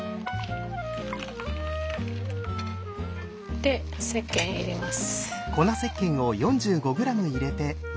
でせっけん入れます。